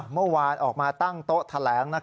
เมื่อวานออกมาตั้งโต๊ะแถลง